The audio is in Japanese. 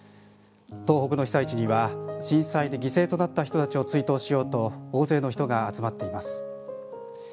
東北の被災地には震災で犠牲となった人たちを追悼しようと大勢の人が集まっています。